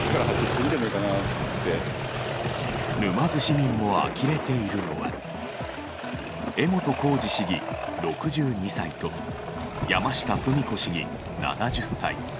沼津市民もあきれているのは江本浩二市議、６２歳と山下富美子市議、７０歳。